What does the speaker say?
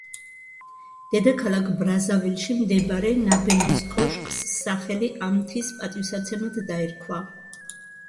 დედაქალაქ ბრაზავილში მდებარე ნაბემბის კოშკს სახელი ამ მთის პატივსაცემად დაერქვა.